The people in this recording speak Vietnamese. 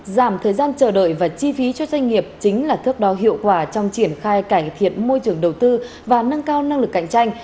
giảm thời gian chờ đợi và chi phí cho doanh nghiệp chính là thước đo hiệu quả trong triển khai cải thiện môi trường đầu tư và nâng cao năng lực cạnh tranh